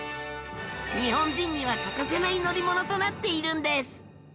日本人には欠かせない乗り物となっているんです